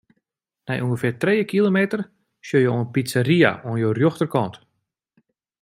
Nei ûngefear trije kilometer sjogge jo in pizzeria oan jo rjochterkant.